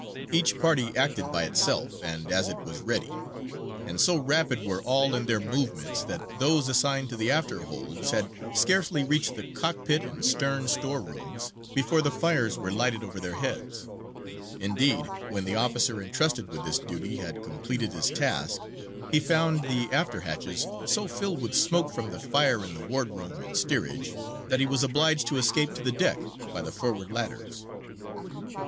Each party acted by itself, and as it was ready; and so rapid were all in their movements, that those assigned to the after holds had scarcely reached the cockpit and stern store rooms before the fires were lighted over their heads. Indeed, when the officer entrusted with this duty had completed his task, he found the after hatches so filled with smoke from the fire in the ward room and steerage, that he was obliged to escape to the deck by the forward ladders.